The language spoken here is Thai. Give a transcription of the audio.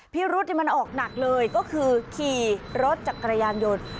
พิรุษมันออกหนักเลยก็คือขี่รถจักรยานยนต์